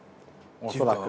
恐らく。